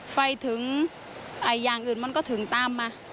ไปถึงอย่างอื่นมันก็ถึงตามมา